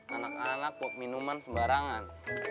anak anak buat minuman sembarangan